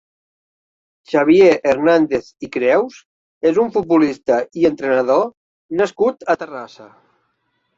Xavier Hernández i Creus és un futbolista i entrenador nascut a Terrassa.